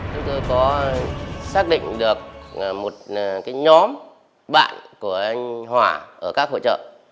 chúng tôi có xác định được một nhóm bạn của anh hỏa ở các hội trợ